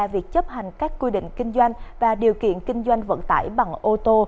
việc chấp hành các quy định kinh doanh và điều kiện kinh doanh vận tải bằng ô tô